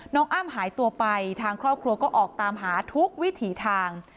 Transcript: อ้ำหายตัวไปทางครอบครัวก็ออกตามหาทุกวิถีทาง